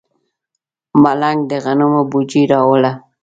ملنګ د غنمو بوجۍ راوړه.